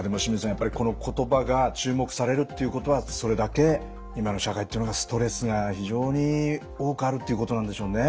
やっぱりこの言葉が注目されるっていうことはそれだけ今の社会っていうのがストレスが非常に多くあるっていうことなんでしょうね。